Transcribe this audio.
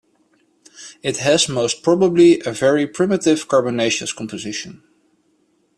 It has most probably a very primitive carbonaceous composition.